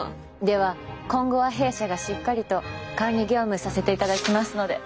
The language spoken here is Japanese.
では今後は弊社がしっかりと管理業務させていただきますので。